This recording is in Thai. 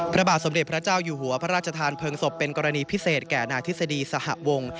พระบาทสมเด็จพระเจ้าอยู่หัวพระราชทานเพลิงศพเป็นกรณีพิเศษแก่นาทฤษฎีสหวง